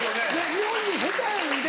日本人下手やねんて。